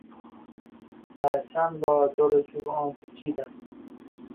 پرچم را دور چوب آن پیچیدم.